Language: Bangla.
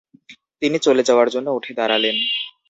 তিনি চলে যাওয়ার জন্য উঠে দাঁড়ালেন।